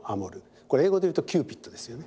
これ英語で言うとキューピッドですよね。